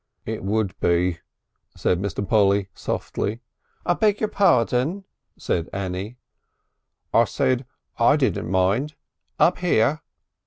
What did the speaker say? "It would be," said Mr. Polly softly. "I beg your pardon?" said Annie. "I said I didn't mind. Up here?"